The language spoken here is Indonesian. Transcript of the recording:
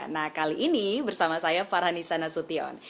nah kali ini bersama saya farhanisana sution